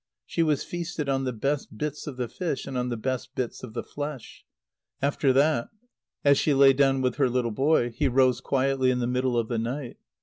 She was feasted on the best bits of the fish and on the best bits of the flesh. After that, as she lay down with her little boy, he rose quietly in the middle of the night.